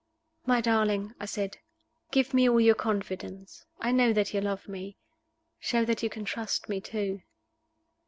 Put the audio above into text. "My darling," I said, "give me all your confidence. I know that you love me. Show that you can trust me too."